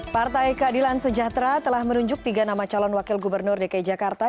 partai keadilan sejahtera telah menunjuk tiga nama calon wakil gubernur dki jakarta